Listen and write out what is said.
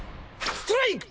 ストライク！